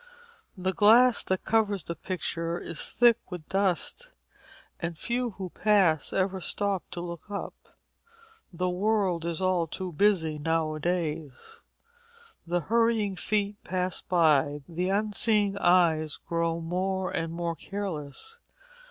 The glass that covers the picture is thick with dust, and few who pass ever stop to look up. The world is all too busy nowadays. The hurrying feet pass by, the unseeing eyes grow more and more careless.